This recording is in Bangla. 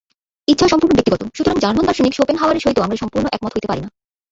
ইচ্ছা সম্পূর্ণ ব্যক্তিগত সুতরাং জার্মান দার্শনিক শোপেনহাওয়ারের সহিত আমরা সম্পূর্ণ একমত হইতে পারি না।